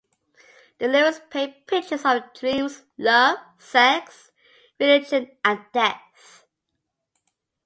The lyrics paint pictures of dreams, love, sex, religion and death.